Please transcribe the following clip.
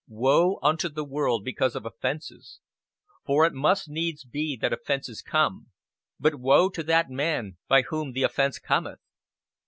'Woe unto the world because of offenses! For it must needs be that offenses come; but woe to that man by whom the offense cometh.'